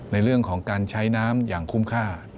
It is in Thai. ในเรื่องของการใช้น้ำอย่างคุ้มค่า